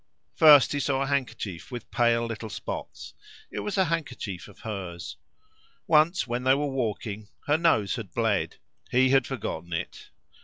First he saw a handkerchief with pale little spots. It was a handkerchief of hers. Once when they were walking her nose had bled; he had forgotten it.